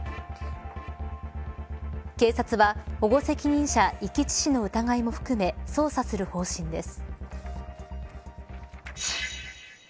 警察は、保護責任者遺棄致死の疑いも含め捜査する方針です。